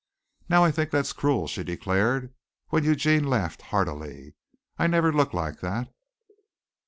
"Now I think that's cruel," she declared, when Eugene laughed heartily. "I never look like that."